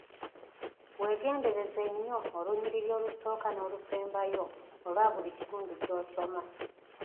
Weegendereze nnyo olunyiriri olusooka n'olusembayo olwa buli kitundu kyosoma.